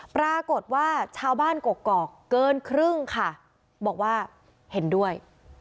ปรากฏว่าชาวบ้านกกอกเกินครึ่งค่ะบอกว่าเห็นด้วย